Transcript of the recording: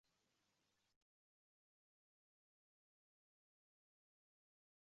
o‘z kuchini yo‘qotadi hamda o‘tkazish doimiy deb hisoblanadi.